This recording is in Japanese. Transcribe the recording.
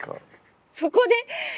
そこで？